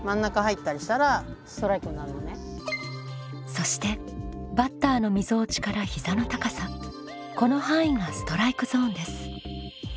そしてバッターのみぞおちから膝の高さこの範囲がストライクゾーンです。